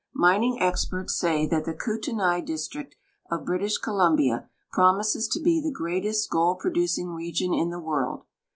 Alining experts say that the Kootenai district of British Co lumbia promises to be the greatest gold {)rodncing region in the world.